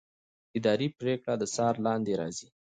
اداري پرېکړه د څار لاندې راځي.